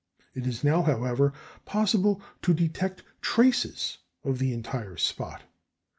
It is now, however, possible to detect traces of the entire spot.